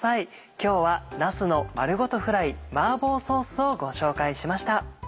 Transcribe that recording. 今日は「なすの丸ごとフライ麻婆ソース」をご紹介しました。